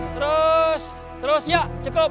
terus terus ya cukup